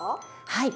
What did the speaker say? はい。